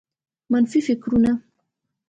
منفي فکرونه